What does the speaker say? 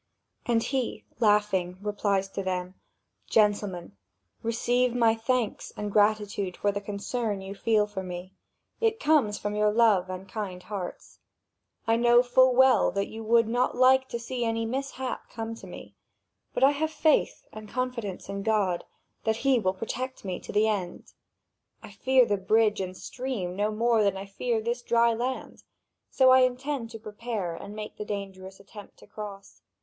And he, laughing, replies to them: "Gentlemen, receive my thanks and gratitude for the concern you feel for me: it comes from your love and kind hearts. I know full well that you would not like to see any mishap come to me; but I have faith and confidence in God, that He will protect me to the end. I fear the bridge and stream no more than I fear this dry land; so I intend to prepare and make the dangerous attempt to cross.